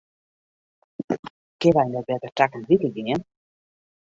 Kinne wy net better takom wike gean?